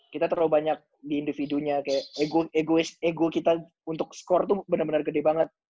kita terlalu banyak di individunya kayak ego kita untuk skor tuh benar benar gede banget